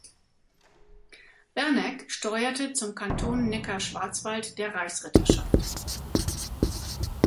Berneck steuerte zum Kanton Neckar-Schwarzwald der Reichsritterschaft.